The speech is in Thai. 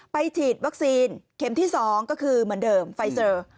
ฉีดวัคซีนเข็มที่๒ก็คือเหมือนเดิมไฟเซอร์